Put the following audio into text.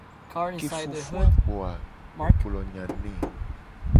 Ke ye fofo a gbo a mu gblo nya ne.